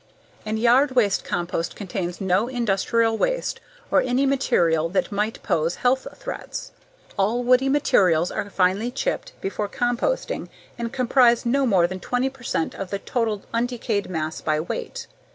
And yard waste compost contains no industrial waste or any material that might pose health threats. All woody materials are finely chipped before composting and comprise no more than 20 percent of the total undecayed mass by weight.